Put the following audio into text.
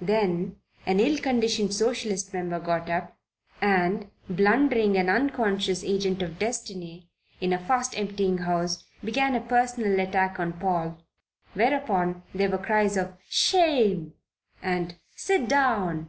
Then an ill conditioned Socialist Member got up, and, blundering and unconscious agent of Destiny in a fast emptying House, began a personal attack on Paul. Whereupon there were cries of "Shame!" and "Sit down!"